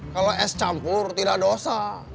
kalau es campur tidak dosa